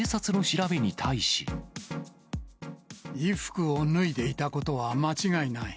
衣服を脱いでいたことは間違いない。